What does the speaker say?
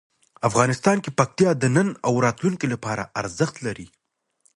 افغانستان کې پکتیا د نن او راتلونکي لپاره ارزښت لري.